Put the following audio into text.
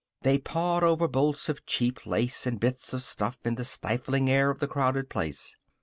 They pawed over bolts of cheap lace and bits of stuff in the stifling air of the crowded place.